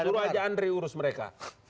suruh aja andre urus mereka